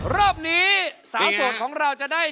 รอบนี้สาวโสดของเราจะได้